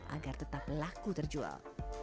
agar tetap laku terjual